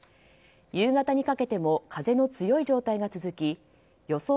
夕方にかけても風が強い状態が続き予想